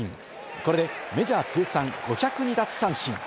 これでメジャー通算５０２奪三振。